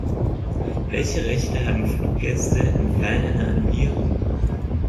Welche Rechte haben Fluggäste im Falle einer Annullierung?